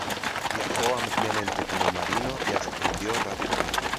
Viajó ampliamente como marino y ascendió rápidamente.